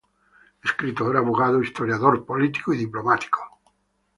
Escritor, abogado, historiador, político y diplomático.